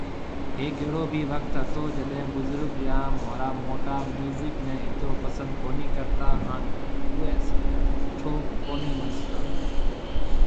هيڪ اهڙو بِي وکت هتو جڏي بزرگ يا مونهرا موٽا ميوزڪ ني اترو پسند ڪونهي ڪرتا هان اوئي سٺو ڪونهي ۿمجھتا